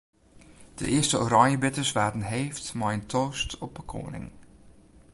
De earste oranjebitters waarden heefd mei in toast op 'e koaning.